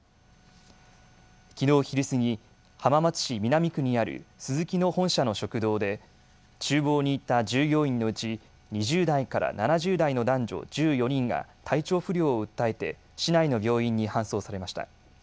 きのう昼過ぎ、浜松市南区にあるスズキの本社の食堂でちゅう房にいた従業員のうち２０代から７０代の男女１４人が体調不良を訴えて市内の病院に搬送されました。